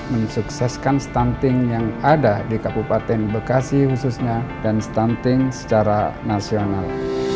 mensukseskan stunting yang ada di kabupaten bekasi khususnya dan stunting secara nasional